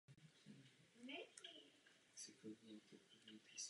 Kaple náležela pod Římskokatolickou farnost ve Stráži pod Ralskem.